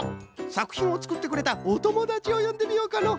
さくひんをつくってくれたおともだちをよんでみようかの。